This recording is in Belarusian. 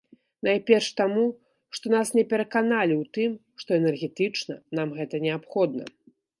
Найперш таму, што нас не пераканалі ў тым, што энергетычна нам гэта неабходна.